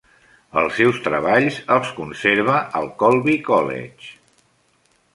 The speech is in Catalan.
Els seus treballs els conserva el Colby College.